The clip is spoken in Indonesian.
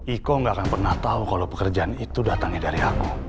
iko gak akan pernah tahu kalau pekerjaan itu datangnya dari aku